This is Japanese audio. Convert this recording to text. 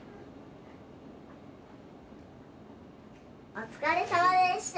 お疲れさまでした！